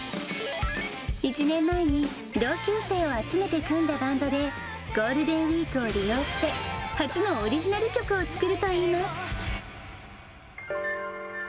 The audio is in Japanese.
１年前に同級生を集めて組んだバンドで、ゴールデンウィークを利用して初のオリジナル曲を作るといいます。